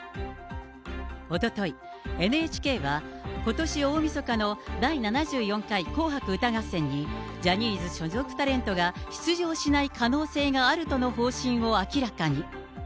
おととい、ＮＨＫはことし大みそかの第７４回紅白歌合戦にジャニーズ所属タレントが出場しない可能性があるとの方針を明らかに。